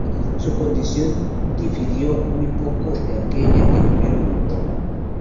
Su condición difirió muy poco de aquella que tuvieron en Europa.